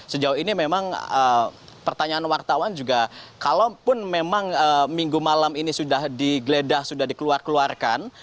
sejauh ini memang pertanyaan wartawan juga kalaupun memang minggu malam ini sudah digeledah sudah dikeluarkan